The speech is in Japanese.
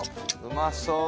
うまそう。